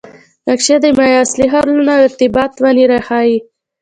نقشه د مایا اصلي ښارونه او ارتباط ونې راښيي